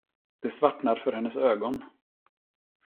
Det svartnar för hennes ögon.